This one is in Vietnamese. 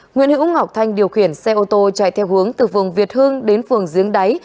nguyễn hữu ngọc thanh điều khiển xe ô tô chạy theo hướng từ phường việt hưng đến phường giếng đáy